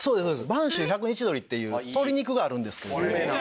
播州百日どりっていう鶏肉があるんですけれども美味しいです。